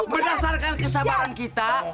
berdasarkan kesabaran kita